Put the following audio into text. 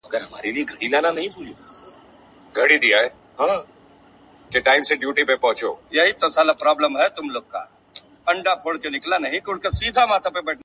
کتاب د انسان ذهن ته سکون ورکوي او د ژوند فشارونه کموي `